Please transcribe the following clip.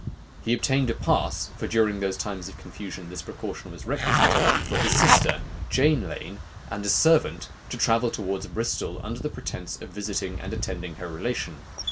He obtained a pass (for during those times of confusion this precaution was requisite) for his sister, Jane Lane, and a servant, to travel towards Bristol, under pretence of visiting and attending her relation.